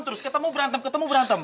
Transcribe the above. terus ketemu berantem ketemu berantem